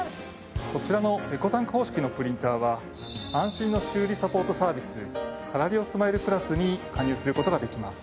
こちらのエコタンク方式のプリンターは安心の修理サポートサービスカラリオスマイルＰｌｕｓに加入する事ができます。